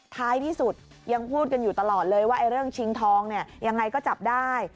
ท้ายที่สุดยังพูดกันอยู่ตลอดเลยว่าเรื่องชิงทองเนี่ยยังไงก็จับได้